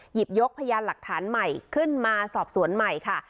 หยิบยกพยานหลักฐานใหม่ขึ้นมาสอบสวนใหม่ค่ะ